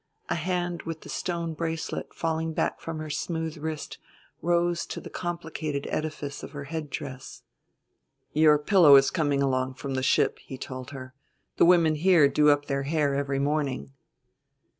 A hand with the stone bracelet falling back from her smooth wrist rose to the complicated edifice of her headdress. "Your pillow is coming along from the ship," he told her; "the women here do up their hair every morning."